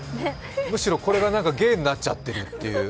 むしろこれが芸になっちゃっているという。